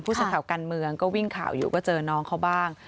สักข่าวการเมืองก็วิ่งข่าวอยู่ก็เจอน้องเขาบ้าง